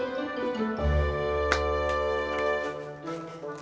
oh ini apa ya pak